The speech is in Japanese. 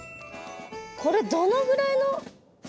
これどのぐらいの深さ？